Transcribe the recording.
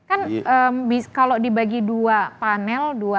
kan kalau dibagi dua panel